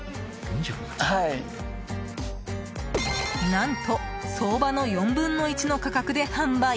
何と、相場の４分の１の価格で販売？